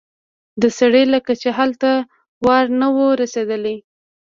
د سړي لکه چې هلته وار نه و رسېدلی.